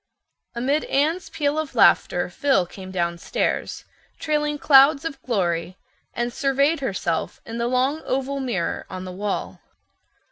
Amid Anne's peal of laughter Phil came downstairs, trailing clouds of glory, and surveyed herself in the long oval mirror on the wall.